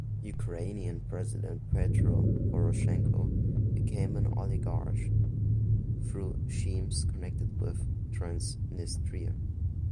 Ukrainian president Petro Poroshenko became an oligarch through schemes connected with Transnistria.